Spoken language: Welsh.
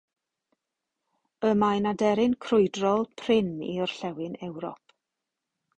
Y mae'n aderyn crwydrol prin i orllewin Ewrop.